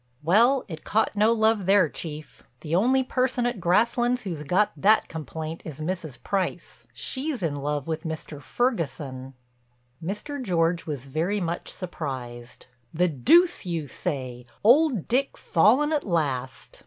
"Well, it caught no love there, Chief. The only person at Grasslands who's got that complaint is Mrs. Price. She's in love with Mr. Ferguson." Mr. George was very much surprised. "The deuce you say!—Old Dick fallen at last."